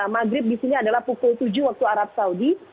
maghrib di sini adalah pukul tujuh waktu arab saudi